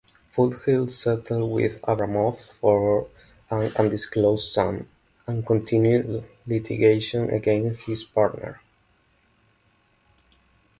Foothill settled with Abramoff for an undisclosed sum, and continued litigation against his partner.